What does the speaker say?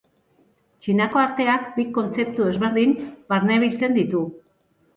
Txinako arteak bi kontzeptu ezberdin barnebiltzen ditu.